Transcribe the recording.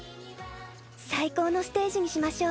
最高のステージにしましょう。